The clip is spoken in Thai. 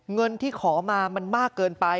เงินที่ขอมามันมากเกินไป